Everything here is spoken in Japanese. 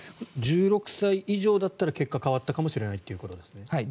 １６歳以上だったら結果が変わったかもしれないということですね。